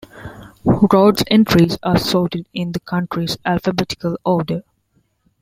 Roads entries are sorted in the countries alphabetical order.